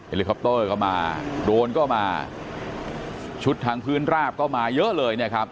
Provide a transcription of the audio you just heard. ลิคอปเตอร์ก็มาโดรนก็มาชุดทางพื้นราบก็มาเยอะเลยนะครับ